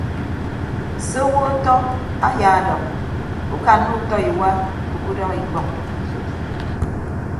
Se owo ọtọ ayaadọk ukanna utọ iwa ukudọk ikpọñ.